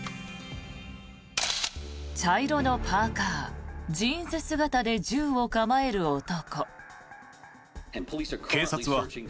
茶色のパーカジーンズ姿で銃を構える男。